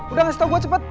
udah ngasih tau gue cepet